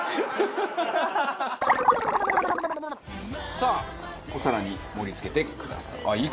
さあお皿に盛り付けてください。